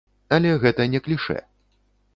Але гэта не клішэ.